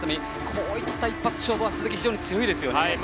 こういった一発勝負は鈴木、強いですよね。